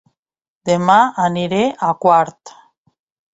Dema aniré a Quart